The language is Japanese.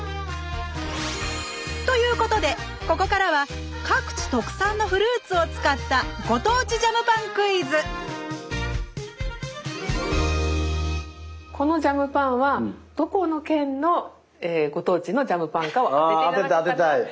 ということでここからは各地特産のフルーツを使ったこのジャムパンはどこの県のご当地のジャムパンかを当てて頂くかなって。